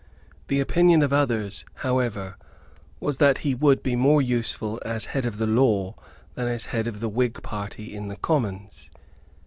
The opinion of others, however, was that he would be more useful as head of the law than as head of the Whig party in the Commons.